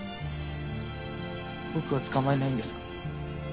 僕を捕まえないんですか？